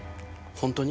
本当に。